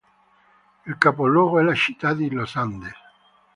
Il capoluogo è la città di Los Andes.